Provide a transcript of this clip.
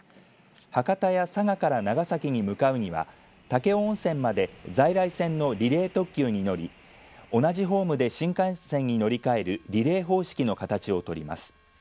博多や佐賀から長崎に向かうには武雄温泉まで在来線のリレー特急に乗り同じホームで新幹線に乗り換えるリレー方式の形を取ります。